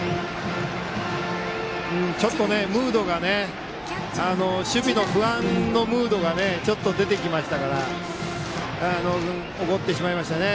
ちょっとムードが守備の不安のムードがちょっと出てきましたから起こってしまいましたね。